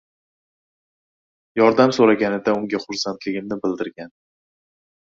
yordam so‘raganida unga xursandligimni bildirgan, '